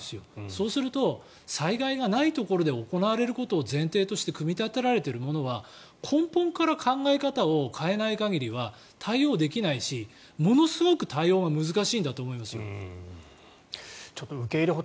となると、災害がないところで行われることを前提として組み立てられているものは根本から考え方を変えない限りは、対応できないし皆さんにご意見・ご質問を頂きました。